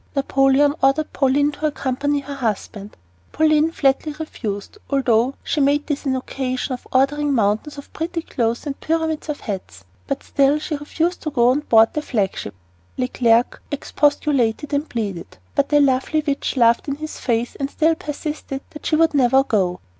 Napoleon ordered Pauline to accompany her husband. Pauline flatly refused, although she made this an occasion for ordering "mountains of pretty clothes and pyramids of hats." But still she refused to go on board the flag ship. Leclerc expostulated and pleaded, but the lovely witch laughed in his face and still persisted that she would never go.